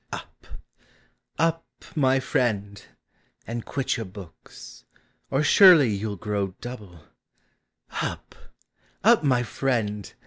Ur! up, my friend! and quit your books, Or surely von '11 grow double; Qp! up, my friend!